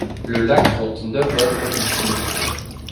Le lac compte neuf autres petites îles.